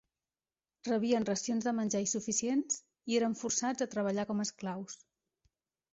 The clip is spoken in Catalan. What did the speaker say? Rebien racions de menjar insuficients i eren forçats a treballar com esclaus.